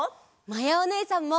まやおねえさんも。